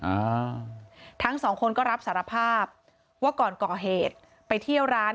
อ่าทั้งสองคนก็รับสารภาพว่าก่อนก่อเหตุไปเที่ยวร้าน